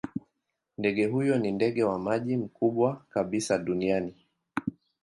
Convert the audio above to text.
Ndege huyo ni ndege wa maji mkubwa kabisa duniani.